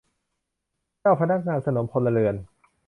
เจ้าพนักงานสนมพลเรือน